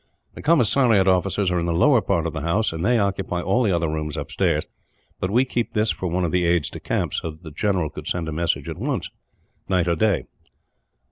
The commissariat offices are in the lower part of the house, and they occupy all the other rooms upstairs; but we kept this for one of the aides de camp, so that the general could send a message at once, night or day."